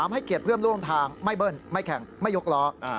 ให้เกียรติเพื่อนร่วมทางไม่เบิ้ลไม่แข่งไม่ยกล้อ